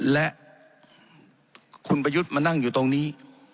และคุณประยุทธ์มานั่งอยู่ตรงนี้